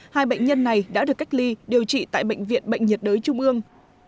hai bệnh nhân này đã được cách ly điều trị tại bệnh viện bệnh nhiệt đới trung ương